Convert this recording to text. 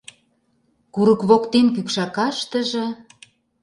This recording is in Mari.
Курык воктен кӱкшакаштыже